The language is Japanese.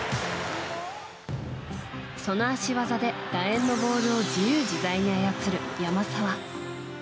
その足技で楕円のボールを自由自在に操る山沢。